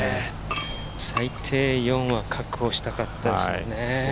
最低４は確保したかったですよね。